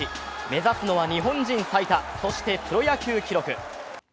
目指すのは日本人最多そしてプロ野球記録。